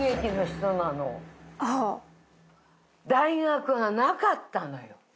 大学がなかったのよ。